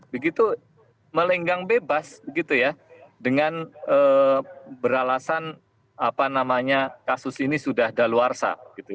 begitu melenggang bebas dengan beralasan kasus ini sudah daluarsa